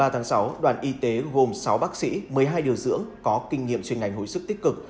ba tháng sáu đoàn y tế gồm sáu bác sĩ một mươi hai điều dưỡng có kinh nghiệm chuyên ngành hồi sức tích cực